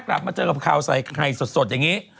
กลับมาเจอกับข่าวใส่ไข่สดอย่างนี้